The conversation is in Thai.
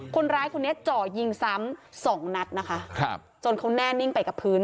คนร้ายคนนี้เจาะยิงซ้ำสองนัดนะคะครับจนเขาแน่นิ่งไปกับพื้น